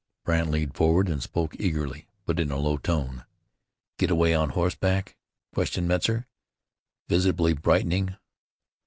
Brandt leaned forward and spoke eagerly, but in a low tone. "Git away on hoss back?" questioned Metzar, visibly brightening.